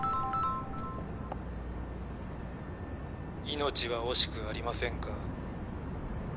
命は惜しくありませんか？